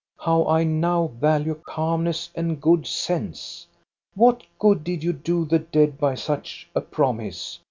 How I now value calmness and good sense ! What good did you do the dead by such a promise?